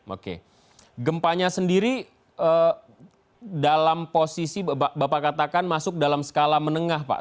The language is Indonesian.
oke gempanya sendiri dalam posisi bapak katakan masuk dalam skala menengah pak